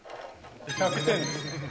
１００点です。